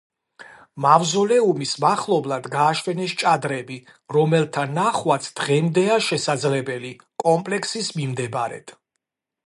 მავზოლეუმის მახლობლად გააშენეს ჭადრები, რომელთა ნახვაც დღემდეა შესაძლებელი კომპლექსის მიმდებარედ.